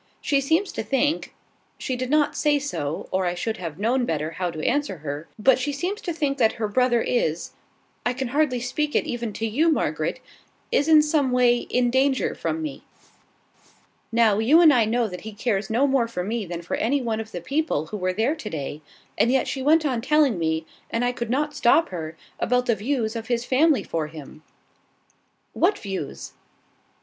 She seems to think, she did not say so, or I should have known better how to answer her, but she seems to think that her brother is (I can hardly speak it even to you, Margaret!) is in some way in danger from me. Now, you and I know that he cares no more for me than for any one of the people who were there to day; and yet she went on telling me, and I could not stop her, about the views of his family for him!" "What views?"